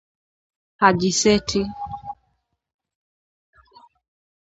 Haji seti